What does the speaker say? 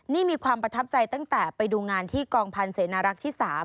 นี่มีความประทับใจตั้งแต่ไปดูงานที่กองพันธ์เสนารักษ์ที่๓